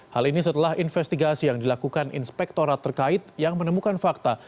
hal ini setelah investigasi yang dilakukan inspektorat terkait yang menemukan fakta